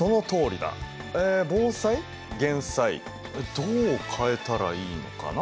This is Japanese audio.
どう変えたらいいのかな？